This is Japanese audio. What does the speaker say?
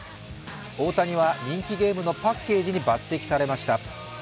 大谷は人気ゲームのパッケージに抜てきされました。